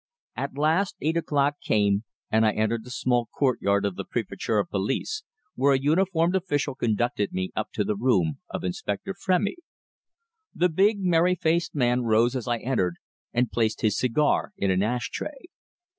At last, eight o'clock came, and I entered the small courtyard of the Préfecture of Police, where a uniformed official conducted me up to the room of Inspector Frémy. The big, merry faced man rose as I entered and placed his cigar in an ash tray.